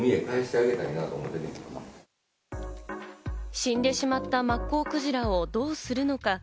死んでしまったマッコウクジラをどうするのか？